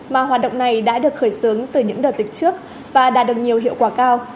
mà hoạt động này đã được khởi xướng từ những đợt dịch trước và đạt được nhiều hiệu quả cao